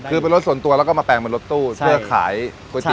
คือเป็นรถส่วนตัวแล้วก็มาแปลงเป็นรถตู้เพื่อขายก๋วยเตี๋